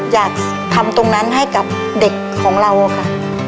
อยากทำตรงนั้นให้กับเด็กของเราค่ะ